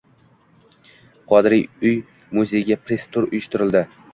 Qodiriy uy-muzeyiga press-tur uyushtirildi